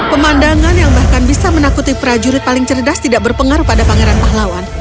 pemandangan yang bahkan bisa menakuti prajurit paling cerdas tidak berpengaruh pada pangeran pahlawan